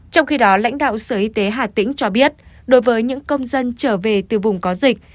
trong khi đó lãnh đạo sở y tế hà tĩnh cho biết đối với những công dân trở về từ vùng có dịch